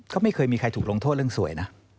ก็ไม่เคยมีใครถูกลงโทษเรื่องสวยนะ